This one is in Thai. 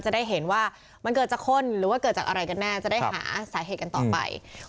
จะได้เห็นว่ามันเกิดจากคนหรือว่าเกิดจากอะไรกันแน่จะได้หาสาเหตุกันต่อไป